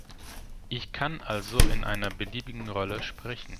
Ich kann also in einer beliebigen Rolle sprechen.